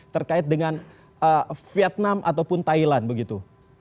terkait dengan vietnam ataupun thailand begitu